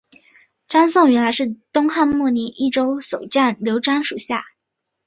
张松原来是东汉末年益州守将刘璋属下。